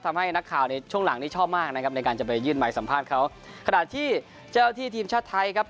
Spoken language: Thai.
ทำให้นักข่าวในช่วงหลังนี้ชอบมากนะครับในการจะไปยื่นไม้สัมภาษณ์เขาขณะที่เจ้าหน้าที่ทีมชาติไทยครับ